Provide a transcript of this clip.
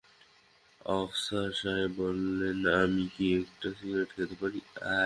আফসার সাহেব বললেন, আমি কি একটা সিগারেট খেতে পারি?